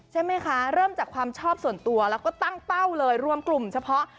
ใช่ไหมคะเริ่มจากความชอบส่วนตัวแล้วก็ตั้งเป้าเลยรวมกลุ่มเฉพาะ